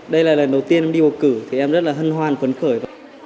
đây là lần đầu tiên đi bầu cử thì em rất là hân hoan phấn khởi